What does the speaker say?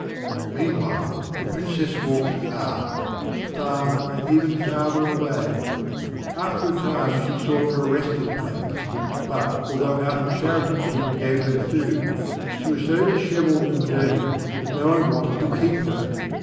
Meanwhile the Princess walked far, far and even farther away; after a time she sought for a resting place, but although out of charity people gave her food, she was so dishevelled and dirty that no one wanted to keep her.